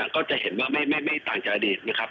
ก็จะเห็นว่าไม่ต่างจากอดีตนะครับ